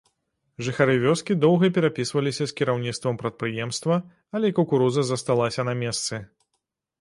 Жыхары вёскі доўга перапісваліся з кіраўніцтвам прадпрыемства, але кукуруза засталася на месцы.